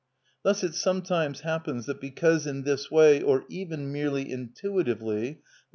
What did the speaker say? Thus it sometimes happens that because in this way, or even merely intuitively, _i.